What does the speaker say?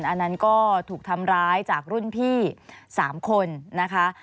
อันนั้นก็ถูกทำร้ายจากรุ่นพี่๓คนนะคะ